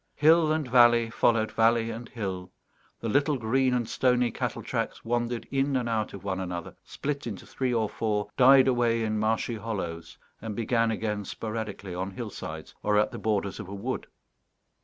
Hill and valley followed valley and hill; the little green and stony cattle tracks wandered in and out of one another, split into three or four, died away in marshy hollows, and began again sporadically on hillsides or at the borders of a wood.